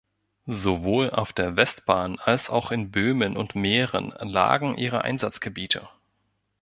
Sowohl auf der Westbahn als auch in Böhmen und Mähren lagen ihre Einsatzgebiete.